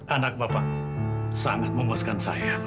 anak bapak sangat memuaskan